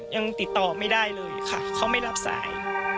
ยังติดต่อไม่ได้เลยค่ะเขาไม่รับสาย